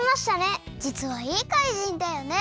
じつはいいかいじんだよね。